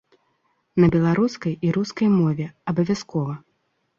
На беларускай і рускай мове, абавязкова.